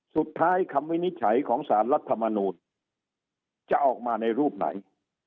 คำวินิจฉัยของสารรัฐมนูลจะออกมาในรูปไหน